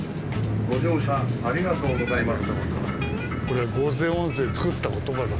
ご乗車ありがとうございます」。